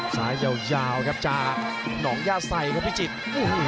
ยาวครับจากหนองย่าใส่ครับพิจิตร